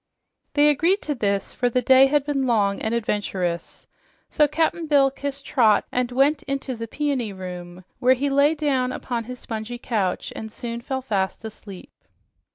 They agreed to this, for the day had been long and adventurous, so Cap'n Bill kissed Trot and went in to the Peony Room, where he lay down upon his spongy couch and fell fast asleep.